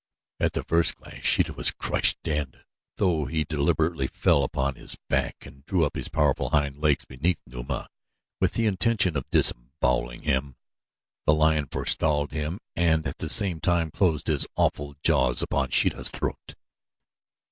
At the first clash Sheeta was crushed and, though he deliberately fell upon his back and drew up his powerful hind legs beneath Numa with the intention of disemboweling him, the lion forestalled him and at the same time closed his awful jaws upon Sheeta's throat.